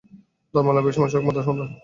ধর্মলাভই এই সমস্যার একমাত্র সমাধান।